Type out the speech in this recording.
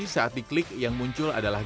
saat diklik yang muncul adalah